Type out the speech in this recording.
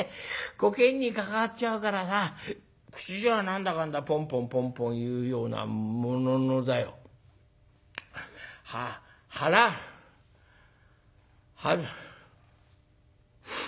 こけんに関わっちゃうからさ口じゃ何だかんだポンポンポンポン言うようなもののだよは腹は腹ん中じゃね